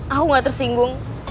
aku gak tersinggung